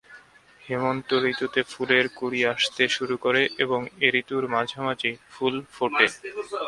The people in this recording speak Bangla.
হেমন্ত ঋতুতে ফুলের কুঁড়ি আসতে শুরু করে এবং এ ঋতুর মাঝামাঝি ফুল ফোটে।